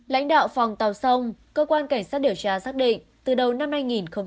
lãnh đạo phòng tàu sông cơ quan cảnh sát điều tra xác định từ đầu năm hai nghìn một mươi chín